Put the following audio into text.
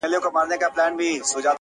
داسې څلور دې درته دود درته لوگی سي گراني